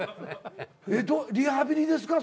リハビリですか？